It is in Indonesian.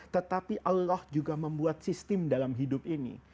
tetapi allah juga membuat sistem dalam hidup ini